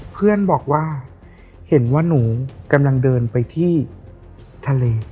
เพื่อนบอกว่าเห็นว่าหนูกำลังเดินไปที่ทะเล